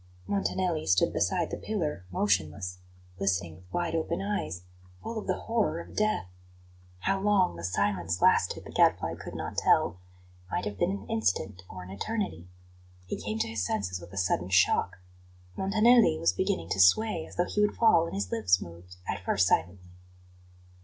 Montanelli stood beside the pillar, motionless, listening with wide open eyes, full of the horror of death. How long the silence lasted the Gadfly could not tell; it might have been an instant, or an eternity. He came to his senses with a sudden shock. Montanelli was beginning to sway as though he would fall, and his lips moved, at first silently.